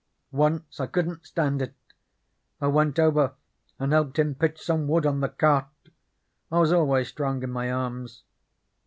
Once I couldn't stand it: I went over and helped him pitch some wood on the cart I was always strong in my arms.